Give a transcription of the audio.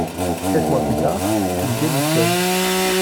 Sept mois plus tard, il démissionne.